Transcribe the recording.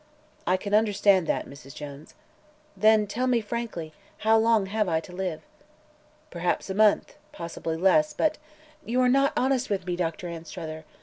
"I can understand that, Mrs. Jones." "Then tell me frankly, how long have I to live?" "Perhaps a month; possibly less; but " "You are not honest with me, Doctor Anstruther!